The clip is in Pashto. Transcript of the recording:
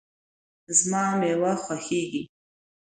زما مېوه خوښیږي